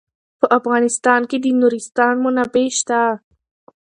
په افغانستان کې د نورستان منابع شته.